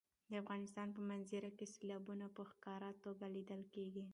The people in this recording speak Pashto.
د افغانستان په منظره کې سیلابونه په ښکاره توګه لیدل کېږي.